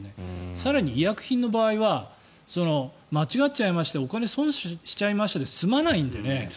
更に医薬品の場合は間違っちゃいましたお金、損しちゃいましたで済まないのでね。